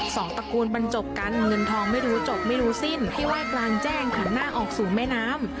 ตระกูลบรรจบกันเงินทองไม่รู้จบไม่รู้สิ้นที่ไหว้กลางแจ้งหันหน้าออกสู่แม่น้ำ